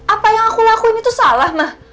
apa yang aku lakuin itu salah mah